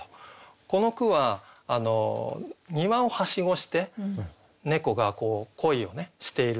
この句は庭をはしごして猫が恋をしていると。